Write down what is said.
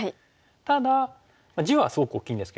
ただ地はすごく大きいんですけども。